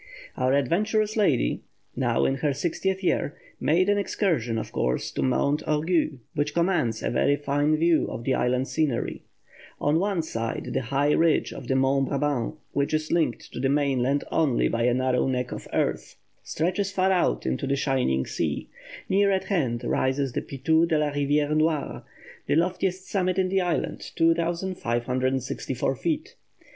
Our adventurous lady now in her sixtieth year made an excursion, of course, to Mont Orgueil, which commands a very fine view of the island scenery. On one side the high ridge of the Mont Brabant, which is linked to the mainland only by a narrow neck of earth, stretches far out into the shining sea; near at hand rises the Pitou de la Rivière Noire, the loftiest summit in the island 2,564 feet.